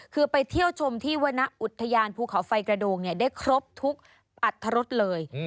คือไปเที่ยวชมที่วรรณอุทยานภูเขาไฟกระโดงได้ครบทุกอัตรรสเลย